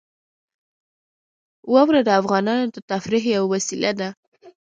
واوره د افغانانو د تفریح یوه وسیله ده.